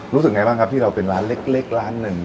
รู้สึกไงบ้างครับที่เราเป็นร้านเล็กร้านหนึ่ง